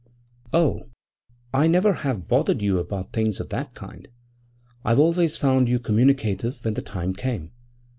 'Oh, I never have bothered you about things of that kind. I've always found you communicative when the time came.